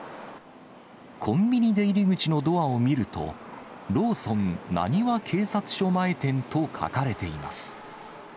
コンビニ出入り口のドアを見ると、ローソン浪速警察署前店と書かれています。